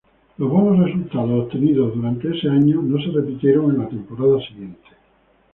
Los buenos resultados obtenidos durante ese año no se repitieron en la temporada siguiente.